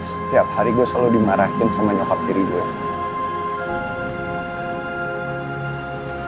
setiap hari gue selalu dimarahin sama nyokap kiri gue